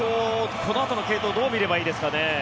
このあとの継投どう見ればいいですかね。